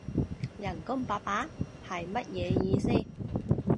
人工八百？係乜嘢意思？